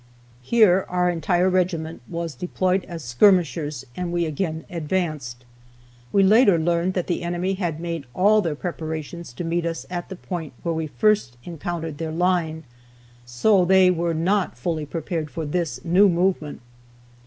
Here our entire regiment was deployed as skirmishers, and we again advanced. We later learned that the enemy had made all their preparations to meet us at the point where we first encountered their line, so they were not fully prepared for this new movement.